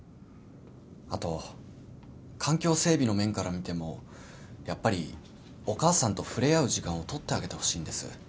あと環境整備の面から見てもやっぱりお母さんと触れ合う時間をとってあげてほしいんです。